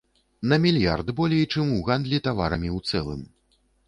На мільярд болей, чым у гандлі таварамі ў цэлым.